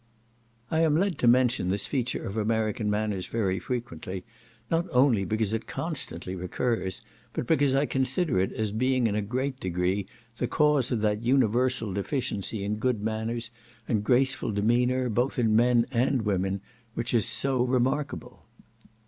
I am led to mention this feature of American manners very frequently, not only because it constantly recurs, but because I consider it as being in a great degree the cause of that universal deficiency in good manners and graceful demeanour, both in men and women, which is so remarkable.